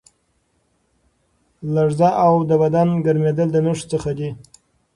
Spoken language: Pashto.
لړزه او د بدن ګرمېدل د نښو څخه دي.